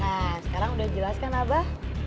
nah sekarang udah jelas kan abah